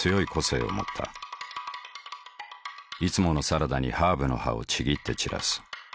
いつものサラダにハーブの葉をちぎって散らす。